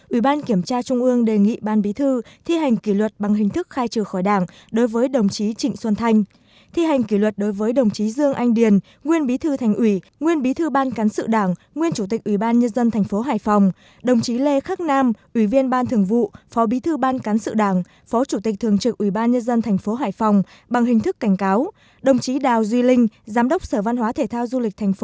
ủy ban kiểm tra trung ương đề nghị ban bí thư thi hành kỷ luật bằng hình thức khai trừ khỏi đảng đối với đồng chí trịnh xuân thành thi hành kỷ luật đối với đồng chí dương anh điền nguyên bí thư thành ủy nguyên bí thư ban cán sự đảng nguyên chủ tịch ủy ban nhân dân tp hải phòng đồng chí lê khắc nam ủy viên ban thường vụ phó bí thư ban cán sự đảng phó chủ tịch thường trực ủy ban nhân dân tp hải phòng bằng hình thức cảnh cáo đồng chí đào duy linh giám đốc sở văn hóa thể thao du l